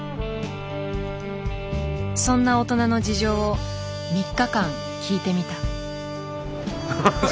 そんな大人の事情を３日間聞いてみた。